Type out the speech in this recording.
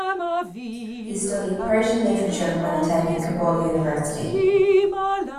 He studied Persian literature while attending Kabul University.